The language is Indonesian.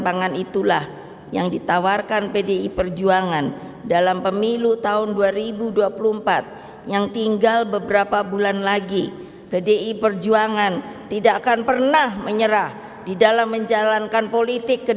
dan saya ingin meminta sedikit supaya di dalam peraturannya tanah tanah subur sudah tidak boleh dikonversi bapak presiden